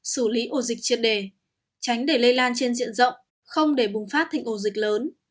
xử lý ổ dịch triệt đề tránh để lây lan trên diện rộng không để bùng phát thành ổ dịch lớn